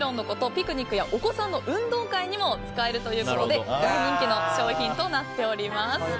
ピクニックやお子さんの運動会にも使えるということで大人気の商品となっております。